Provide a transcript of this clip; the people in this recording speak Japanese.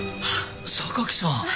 榊さん！